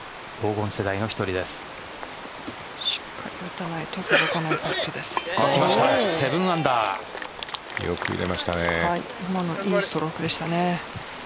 今のいいストロークでしたね。